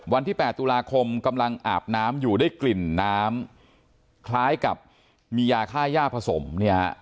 วันที่๘ตุลาคมกำลังอาบน้ำอยู่ได้กลิ่นน้ำคล้ายกับมียาค่าย่าผสมเนี่ยฮะ